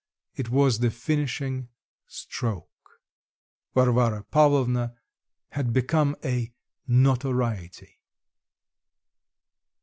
It was the finishing stroke; Varvara Pavlovna had become a "notoriety."